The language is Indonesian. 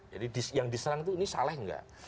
jadi yang diserang itu ini salah tidak